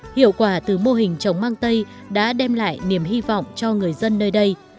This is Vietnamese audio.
hiệu quả từ mô hình trồng mang tây đã đem lại niềm hy vọng cho người dân nơi đây